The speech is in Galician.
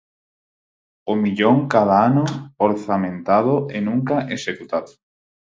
O millón cada ano orzamentado e nunca executado.